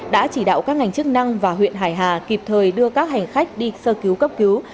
đã chỉ đạo các ngành chức năng và huyện hải hà kịp thời đưa các hành khách đi sơ cứu cấp cứu